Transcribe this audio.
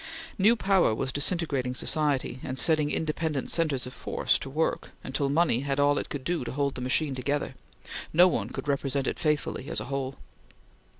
New power was disintegrating society, and setting independent centres of force to work, until money had all it could do to hold the machine together. No one could represent it faithfully as a whole.